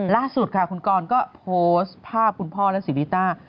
ล่าสุดค่ะคุณกรก็โพสต์ภาพคุณพ่อและศรีริต้า